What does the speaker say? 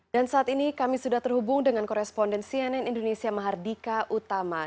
dan saat ini kami sudah terhubung dengan koresponden cnn indonesia mahardika utama